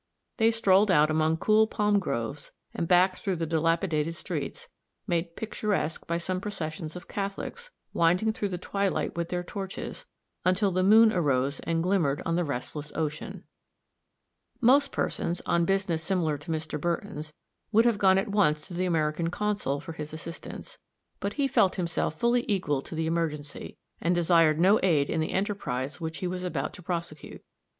They strolled out among cool palm groves, and back through the dilapidated streets, made picturesque by some processions of Catholics, winding through the twilight with their torches, until the moon arose and glimmered on the restless ocean. Most persons, on business similar to Mr. Burton's, would have gone at once to the American consul for his assistance; but he felt himself fully equal to the emergency, and desired no aid in the enterprise which he was about to prosecute.